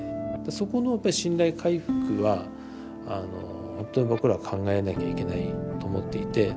そこのやっぱ信頼回復はほんとに僕ら考えなきゃいけないと思っていて。